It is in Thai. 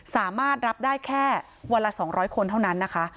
สามารถรับได้แค่วันละ๒๐๐คนเท่านั้นนะคะ